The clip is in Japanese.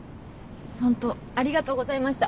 ホントありがとうございました。